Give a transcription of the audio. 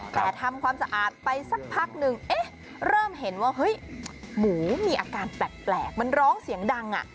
แต่ทำความสะอาดไปสักพักนึงเริ่มเห็นว่าเฮ้ยหมูมีอาการแปลกมันร้องเสียงดัง